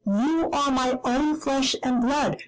You are my own flesh and blood.